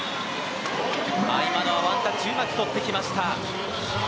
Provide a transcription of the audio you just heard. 今のはワンタッチをうまくとりました。